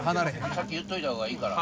先言っといた方がいいから。